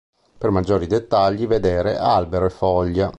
Per maggiori dettagli vedere "Albero e Foglia".